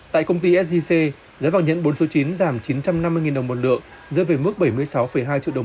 tại công ty sgc giá vàng nhẫn bốn số chín giảm chín trăm năm mươi đồng một lượng dơ về mức bảy mươi sáu hai triệu đồng